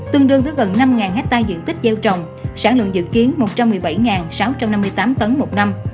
tương đương với gần năm hectare diện tích gieo trồng sản lượng dự kiến một trăm một mươi bảy sáu trăm năm mươi tám tấn một năm